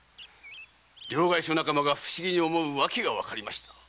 両替商仲間が不思議に思うわけがわかりました。